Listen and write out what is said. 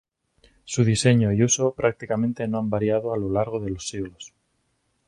Su diseño y uso, prácticamente no han variado a lo largo de los siglos.